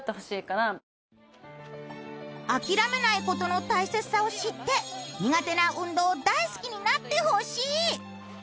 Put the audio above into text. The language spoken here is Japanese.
諦めない事の大切さを知って苦手な運動を大好きになってほしい。